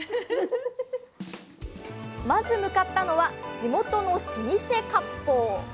まず向かったのは地元の老舗割烹！